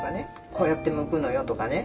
「こうやってむくのよ」とかね。